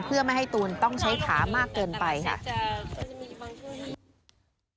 เพื่อไม่ให้ตูนต้องใช้ขามากเกินไปค่ะ